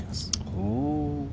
ほう。